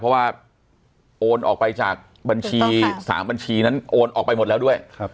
เพราะว่าโอนออกไปจากบัญชี๓บัญชีนั้นโอนออกไปหมดแล้วด้วย